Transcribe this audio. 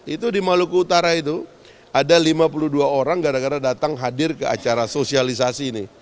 itu di maluku utara itu ada lima puluh dua orang gara gara datang hadir ke acara sosialisasi ini